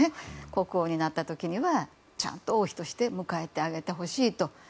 国王になった時はちゃんと王妃として迎えてあげてほしいと。